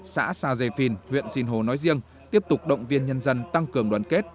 xã xà dề phìn huyện sinh hồ nói riêng tiếp tục động viên nhân dân tăng cường đoán kết